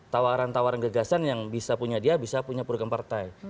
tawaran tawaran gagasan yang bisa punya dia bisa punya program partai